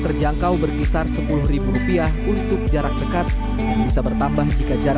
terjangkau berkisar sepuluh rupiah untuk jarak dekat yang bisa bertambah jika